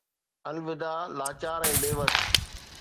الوداع، لاچار ۽ بيوس